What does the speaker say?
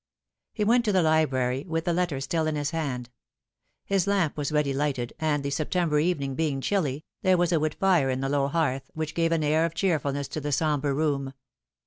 He went to the library wKh the letter still in his hand. His lamp was ready lighted, and, the September evening being chilly, there was a wood fire on the low hearth, which gave an air of ' cheerfulness to the sombre room.